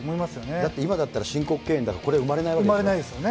だって、今だったら申告敬遠だから、これ、生まれないわけですよね。